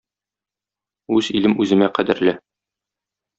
Үз илем үземә кадерле.